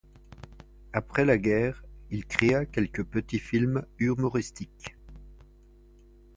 Après la guerre, il créa quelques petits films humoristiques.